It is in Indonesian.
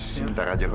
sebentar aja kok